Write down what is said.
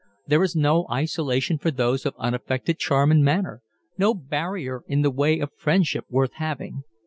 There is no isolation for those of unaffected charm and manner no barrier in the way of friendship worth having.